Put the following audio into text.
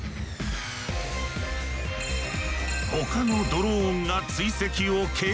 他のドローンが追跡を継続。